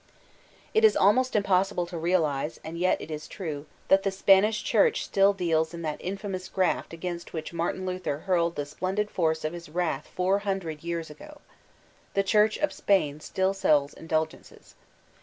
It is almost impossible to realize, and yet it is true, that the Spanish Church still deals in that infamous "graft" against which Martin Luther hurled the splendid force of his wrath four hundred years ago. The Church of Spain still sells indulgences.